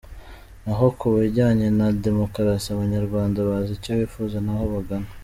Naho ku bijyanye na demokarasi Abanyarwanda bazi icyo bifuza n’aho bagana”.